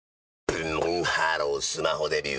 ブンブンハロースマホデビュー！